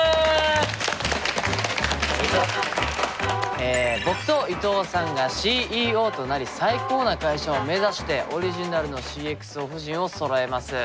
え僕と伊藤さんがＣＥＯとなり最高な会社を目指してオリジナルのＣｘＯ布陣をそろえますということでございます。